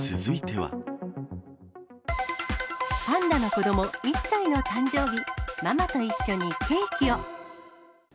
パンダの子ども１歳の誕生日、ママと一緒にケーキを。